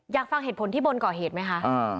อยากฟังเหตุผลที่บนก่อเหตุไหมคะ